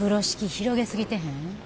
広げ過ぎてへん？